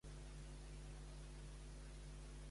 Per què consideren bo els religiosos fumar pipa?